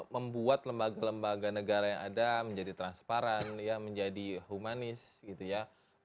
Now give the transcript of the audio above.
membuat lembaga lembaga negara yang ada menjadi transparan menjadi humanis gitu ya